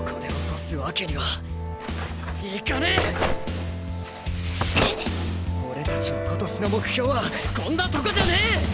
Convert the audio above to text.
心の声俺たちの今年の目標はこんなとこじゃねえ！